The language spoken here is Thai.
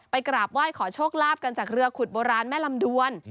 กราบไหว้ขอโชคลาภกันจากเรือขุดโบราณแม่ลำดวน